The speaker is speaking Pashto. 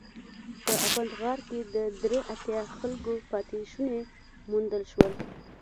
په افنټ غار کې د درې اتیا خلکو پاتې شوني موندل شول.